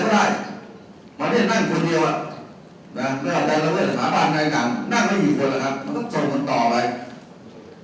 สำหรับประเภทที่มีคนบ้างคนตอนนี้ก็จะสมมุติแล้วว่าจะโดนหมารุงแบบนี้